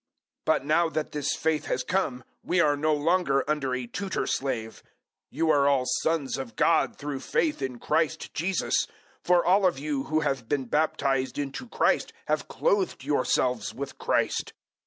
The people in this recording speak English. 003:025 But now that this faith has come, we are no longer under a tutor slave. 003:026 You are all sons of God through faith in Christ Jesus; 003:027 for all of you who have been baptized into Christ, have clothed yourselves with Christ.